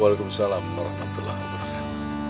waalaikumsalam warahmatullah wabarakatuh